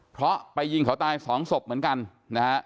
เพราะไปยิงเขาตายสองศพเหมือนกันนะฮะ